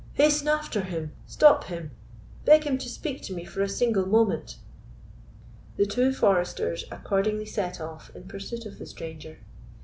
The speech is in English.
"Hasten after him—stop him—beg him to speak to me for a single moment." The two foresters accordingly set off in pursuit of the stranger.